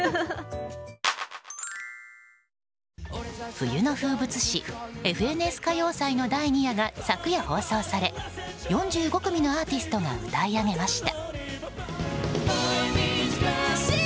冬の風物詩「ＦＮＳ歌謡祭」の第２夜が昨夜放送され、４５組のアーティストが歌い上げました。